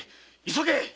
急げ！